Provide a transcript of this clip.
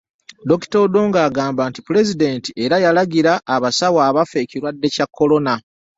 Dokita Odongo agamba nti Pulezidenti era yalagira abasawo abafa ekirwadde kya Corona